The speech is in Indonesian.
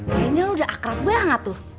kayaknya lo udah akrab gue gak tuh